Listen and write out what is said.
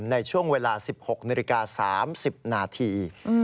ในช่วงเวลา๑๖นาฬิกา๓๐นาที